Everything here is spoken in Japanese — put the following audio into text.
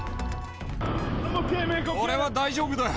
俺は大丈夫だ。